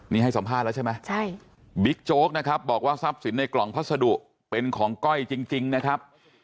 นี่ให้สัมภาษณ์แล้วใช่ไหมบิ๊กโจ๊กนะครับบอกว่าทรัพย์สินในกล่องพัสดุเป็นของก้อยจริงนะครับ